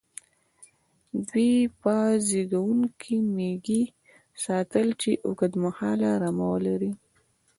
دوی به زېږوونکې مېږې ساتلې، چې اوږد مهاله رمه ولري.